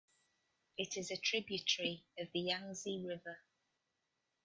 It is a tributary of the Yangtze River.